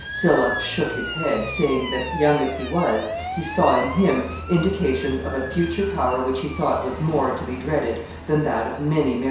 Sylla shook his head, saying that, young as he was, he saw in him indications of a future power which he thought was more to be dreaded than that of many Mariuses.